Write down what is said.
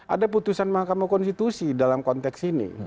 ada putusan mahkamah konstitusi dalam konteks ini